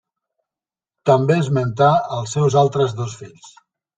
També esmentar als seus altres dos fills.